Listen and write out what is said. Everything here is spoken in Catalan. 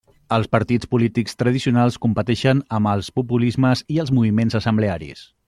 Els partits polítics tradicionals competeixen amb els populismes i els moviments assemblearis.